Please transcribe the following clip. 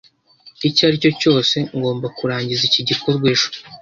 Icyaricyo cyose, ngomba kurangiza iki gikorwa ejo.